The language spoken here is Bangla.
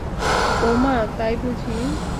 ওমা তাই বুঝি!